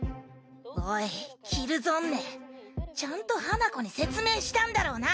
おいキル＝ゾンネちゃんと花子に説明したんだろうな？